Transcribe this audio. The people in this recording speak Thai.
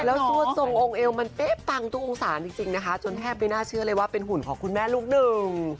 แล้วตัวทรงองค์เอวมันเป๊ะปังทุกองศาจริงนะคะจนแทบไม่น่าเชื่อเลยว่าเป็นหุ่นของคุณแม่ลูกหนึ่ง